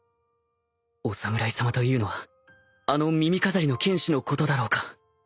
お侍さまというのはあの耳飾りの剣士のことだろうか？